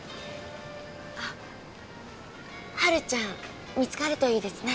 あハルちゃん見つかるといいですね。